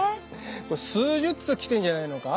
数十通来てんじゃないのか。